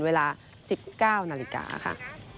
เวลา๑๙นาฬิกาค่ะ